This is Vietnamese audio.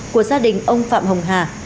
của gia đình ông phạm hồng hà